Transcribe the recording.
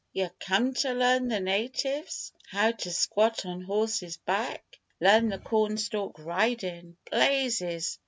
yer come to learn the natives how to squat on horse's back! Learn the cornstalk ridin'! Blazes!